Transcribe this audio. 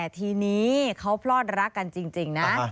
ทีนี้เขาพลอดรักกันจริงนะ